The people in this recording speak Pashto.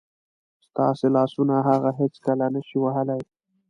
ستاسو لاسونه هغه څه هېڅکله نه شي وهلی.